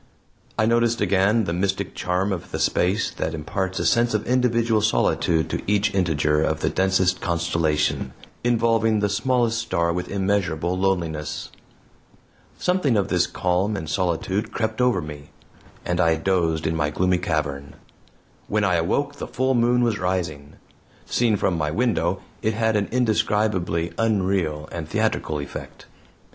I noticed again the mystic charm of space that imparts a sense of individual solitude to each integer of the densest constellation, involving the smallest star with immeasurable loneliness. Something of this calm and solitude crept over me, and I dozed in my gloomy cavern. When I awoke the full moon was rising. Seen from my window, it had an indescribably unreal and theatrical effect.